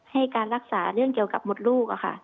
ให้การรักษาเรื่องเกี่ยวกับมดลูก